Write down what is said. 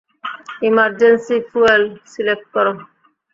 Emergency fuel select করো!